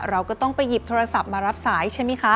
เราก็ต้องไปหยิบโทรศัพท์มารับสายใช่ไหมคะ